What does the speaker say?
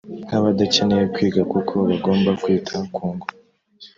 nk’abadakeneye kwiga, kuko bagomba kwita ku ngo